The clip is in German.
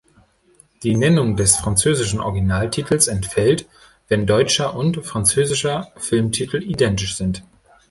Die Nennung des französischen Originaltitels entfällt, wenn deutscher und französischer Filmtitel identisch sind.